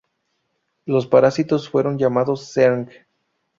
Los parásitos fueron llamados Zerg.